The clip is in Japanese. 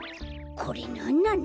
これなんなの？